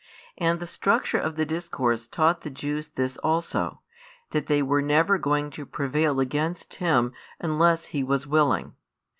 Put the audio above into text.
And the structure of the discourse taught the Jews this also, that they were never going to prevail against Him unless He was willing.